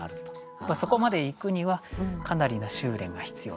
やっぱりそこまでいくにはかなりの修練が必要だと。